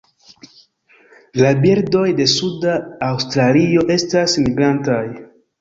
La birdoj de suda Aŭstralio estas migrantaj.